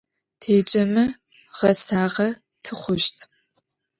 Têceme, ğesağe tıxhuşt.